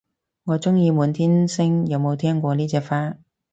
我鍾意滿天星，有冇聽過呢隻花